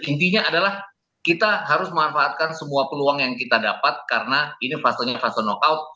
intinya adalah kita harus memanfaatkan semua peluang yang kita dapat karena ini fasenya fase knockout